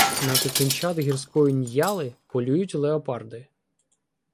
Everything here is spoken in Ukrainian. На дитинчат гірської ньяли полюють леопарди.